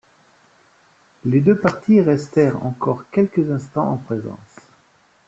Les deux partis restèrent encore quelques instants en présence.